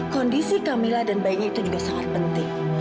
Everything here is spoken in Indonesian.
kondisi kamilah dan bayi itu juga sangat penting